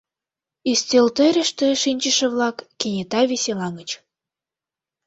Ӱстелтӧрыштӧ шинчыше-влак кенета веселаҥыч.